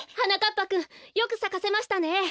ぱくんよくさかせましたね。